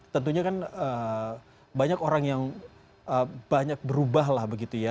tentunya kan banyak orang yang banyak berubah lah begitu ya